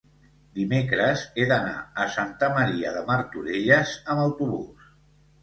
dimecres he d'anar a Santa Maria de Martorelles amb autobús.